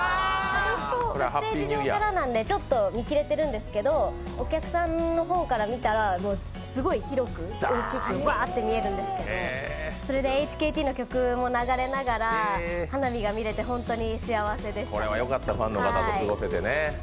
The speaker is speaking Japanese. ステージ上からなのでちょっと見切れているんですけど、お客さんの方から見たらすごい広く大きくばーっと見えるんですけど、それでＨＫＴの曲も流れながら花火が見れて本当に幸せでした。